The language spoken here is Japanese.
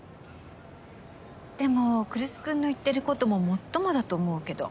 でも来栖君の言ってることももっともだと思うけど。